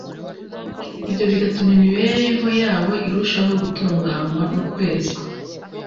ibyo bigatuma imibereho yabo irushaho gutunganywa no kwezwa